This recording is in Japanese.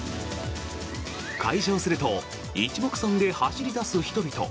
開場すると一目散で走り出す人々。